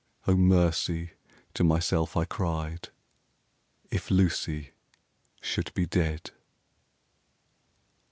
"O mercy!" to myself I cried, "If Lucy should be dead!"